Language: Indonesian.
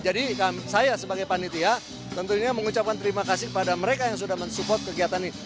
jadi saya sebagai panitia tentunya mengucapkan terima kasih kepada mereka yang sudah men support kegiatan ini